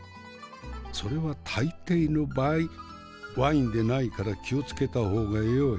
それは大抵の場合ワインでないから気を付けた方がよい。